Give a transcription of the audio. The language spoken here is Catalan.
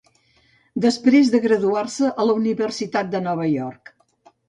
Després de graduar-se a la Universitat de Nova York.